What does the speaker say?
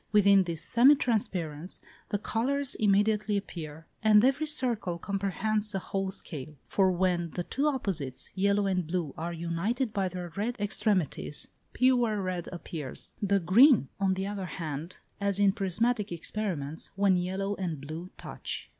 Within this semi transparence the colours immediately appear, and every circle comprehends the whole scale; for when the two opposites, yellow and blue, are united by their red extremities, pure red appears: the green, on the other hand, as in prismatic experiments, when yellow and blue touch.